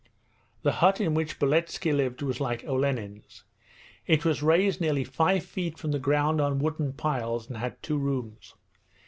The hut in which Beletski lived was like Olenin's. It was raised nearly five feet from the ground on wooden piles, and had two rooms.